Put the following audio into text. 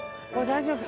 大丈夫？